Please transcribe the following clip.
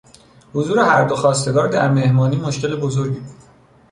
حضور هر دو خواستگار در مهمانی مشکل بزرگی بود.